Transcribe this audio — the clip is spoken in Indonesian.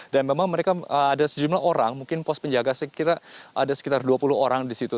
dan memang mereka ada sejumlah orang mungkin pos penjaga sekitar ada sekitar dua puluh orang di situ